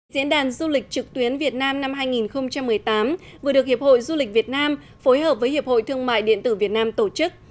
diễn đàn du lịch trực tuyến việt nam năm hai nghìn một mươi tám vừa được hiệp hội du lịch việt nam phối hợp với hiệp hội thương mại điện tử việt nam tổ chức